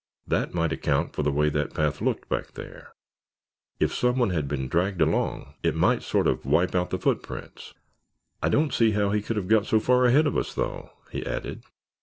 That might account for the way that path looked back there; if someone had been dragged along it might sort of wipe out the footprints. I don't see how he could have got so far ahead of us, though," he added.